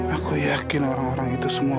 aku yakin orang orang itu semua